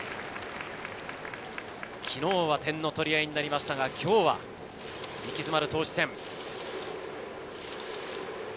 昨日は点の取り合いになりましたが、今日は息詰まる投手戦。